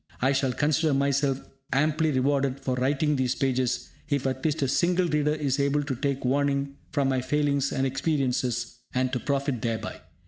I shall consider myself amply rewarded for writing these pages if at least a single reader is able to take warning from my failings and experiences, and to profit thereby.